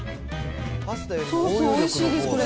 ソースおいしいです、これ。